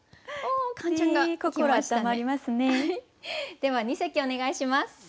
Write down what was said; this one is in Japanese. では二席お願いします。